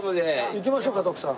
行きましょうか徳さん。